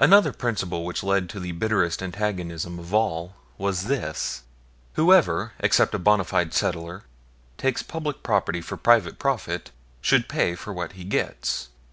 Another principle which led to the bitterest antagonism of all was this whoever (except a bona fide settler) takes public property for private profit should pay for what he gets.